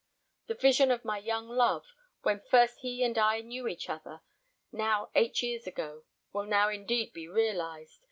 The vision of my young love, when first he and I knew each other, now eight years ago, will now indeed be realized.